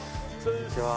こんにちは。